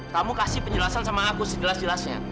kamu kasih penjelasan sama aku sejelas jelasnya